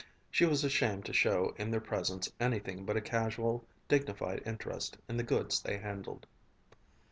She was ashamed to show in their presence anything but a casual, dignified interest in the goods they handled.